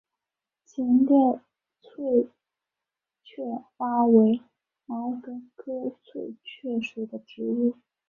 浅裂翠雀花为毛茛科翠雀属的植物。